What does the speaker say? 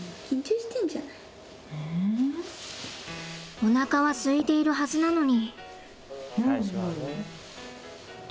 おなかはすいているはずなのに。